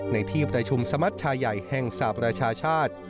ในที่ประชุมสมัชชาใหญ่แห่งสหประชาชาติ